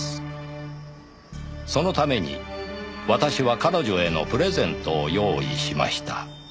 「そのために私は彼女へのプレゼントを用意しました」